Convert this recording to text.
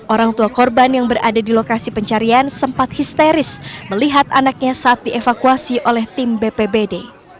orang tua korban yang berada di lokasi pencarian sempat histeris melihat anaknya saat dievakuasi oleh tim bpbd